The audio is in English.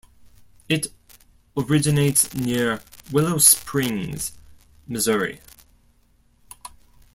It originates near Willow Springs, Missouri.